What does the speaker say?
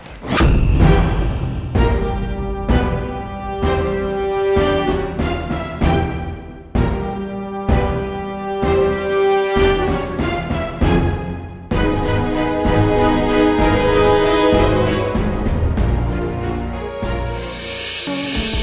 di antara teman tetreng hat mengulangi